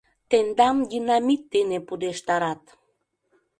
Тендам динамит дене пудештарат.